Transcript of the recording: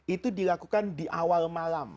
itu dilakukan di awal malam